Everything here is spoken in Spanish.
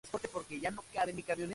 Fue su último club antes de retirarse.